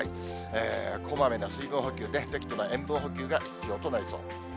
こまめな水分補給、適度な塩分補給が必要となりそうです。